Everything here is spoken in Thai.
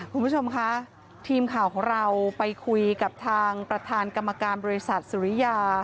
คุณผู้ชมคะทีมข่าวของเราไปคุยกับทางประธานกรรมการบริษัทสุริยา